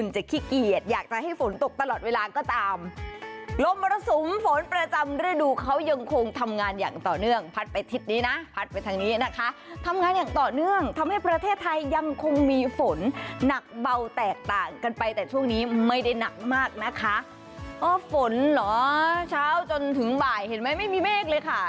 เช้าถึงบ่ายเห็นไหมไม่มีเมฆเลยค่ะ